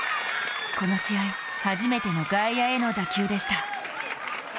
この試合、初めての外野への打球でした。